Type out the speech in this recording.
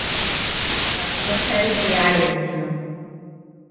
Kamethari piarentzi